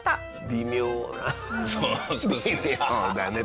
微妙だね。